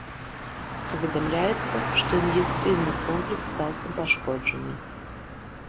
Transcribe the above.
Паведамляецца, што ін'екцыйны комплекс цалкам пашкоджаны.